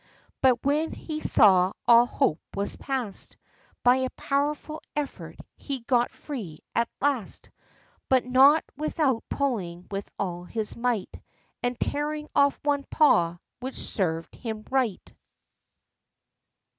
But when he saw all hope was past, By a powerful effort, he got free, at last; But not without pulling with all . his might, And tearing off one paw, which served him right.